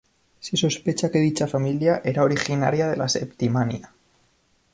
Se sospecha que dicha familia era originaria de la Septimania.